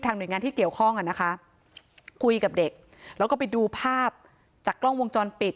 หน่วยงานที่เกี่ยวข้องอ่ะนะคะคุยกับเด็กแล้วก็ไปดูภาพจากกล้องวงจรปิด